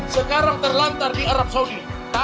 sekarang terlantar di arab saudi